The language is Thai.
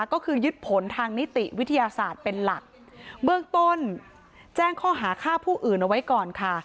ก็คือยึดผลทางนิติวิทยาศาสตร์เป็นหลักเบื้องต้นแจ้งข้อหาฆ่าผู้อื่นเอาไว้ก่อนค่ะ